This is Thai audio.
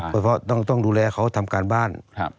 เพราะต้องดูแลเขาทำการบ้าน